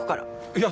いや。